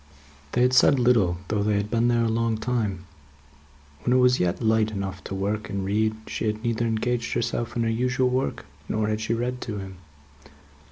They had said little, though they had been there a long time. When it was yet light enough to work and read, she had neither engaged herself in her usual work, nor had she read to him.